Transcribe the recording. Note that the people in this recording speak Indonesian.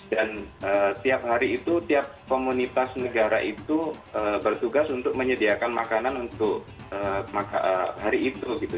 dan tiap hari itu tiap komunitas negara itu bertugas untuk menyediakan makanan untuk hari itu gitu